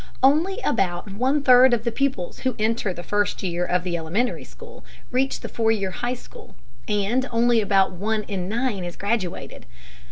Only about one third of the pupils who enter the first year of the elementary school reach the four year high school, and only about one in nine is graduated.